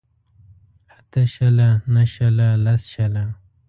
اته شله نهه شله لس شله